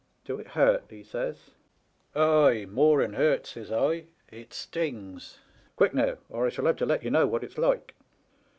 "' Do it hurt ?* he says. "' Ay, more'n hurt,' says I, ' it stings. Quick now, or I shall have to let ye know what it*s like.'